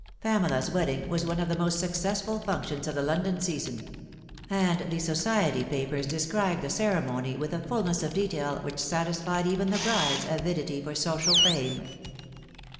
PAMELA'S wedding was one of the most successful functions of the London season ; and the society papers described the ceremony with a fulness of detail which satisfied even the bride's avidity for social fame.